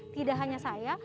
tidak hanya saya